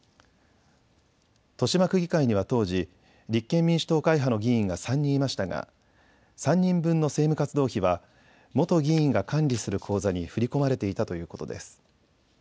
豊島区議会には当時、立憲民主党会派の議員が３人いましたが３人分の政務活動費は元議員が管理する口座に振り込まれていたということです。